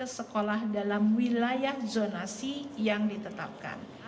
sekolah dalam wilayah zonasi yang ditetapkan